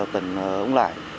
tần ông lải